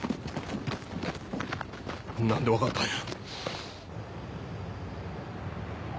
何で分かったんや？